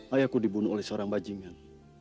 ayahku dibunuh oleh seorang bajingan